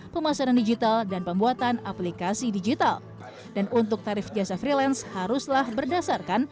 pemasaran digital dan pembuatan aplikasi digital dan untuk tarif jasa freelance haruslah berdasarkan